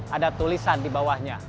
ada tulisan di bawahnya